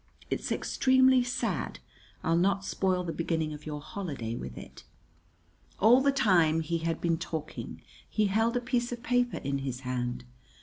It's extremely sad. I'll not spoil the beginning of your holiday with it." All the time he had been talking he held a piece of paper in his hand.